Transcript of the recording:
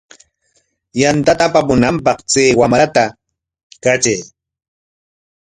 Yantata apamunanpaq chay wamrata katray.